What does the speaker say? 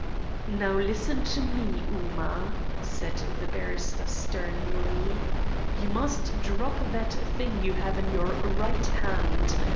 "Now listen to me, Ooma," said the barrister sternly. "You must drop that thing you have in your right hand.